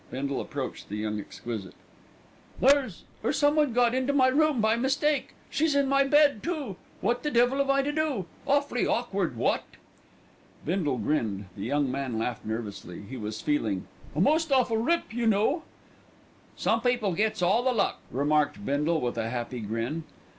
Bindle approached the young exquisite. "There's er someone got into my room by mistake. She's in my bed, too. What the devil am I to do? Awfully awkward, what!" Bindle grinned, the young man laughed nervously. He was feeling "a most awful rip, you know." "Some people gets all the luck," remarked Bindle with a happy grin.